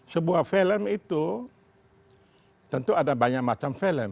sebuah film itu tentu ada banyak macam film